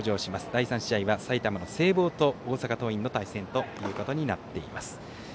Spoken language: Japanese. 第３試合は埼玉の聖望と大阪桐蔭の対戦ということになっています。